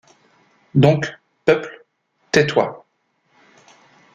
Donc, peuple, tais-toi.